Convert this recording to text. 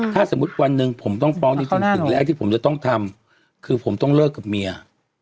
ถ้าสมมุติวันหนึ่งผมต้องฟ้องจริงสิ่งแรกที่ผมจะต้องทำคือผมต้องเลิกกับเมีย